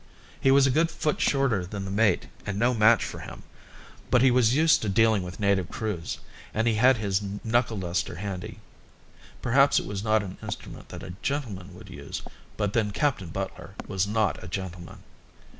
He was a good foot shorter than the mate and no match for him, but he was used to dealing with native crews, and he had his knuckle duster handy. Perhaps it was not an instrument that a gentleman would use, but then Captain Butler was not a gentleman.